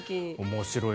面白い。